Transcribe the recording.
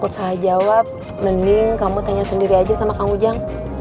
sampai ketemu lagi wan